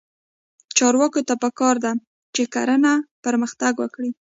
چارواکو ته پکار ده چې، کرنه پرمختګ ورکړي.